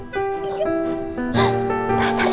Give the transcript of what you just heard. kangen banget aku sama kamu